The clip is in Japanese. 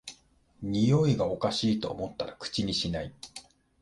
においがおかしいと思ったら口にしない